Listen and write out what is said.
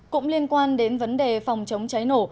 cũng liên quan đến vấn đề phòng chống cháy nổ